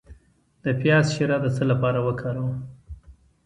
د پیاز شیره د څه لپاره وکاروم؟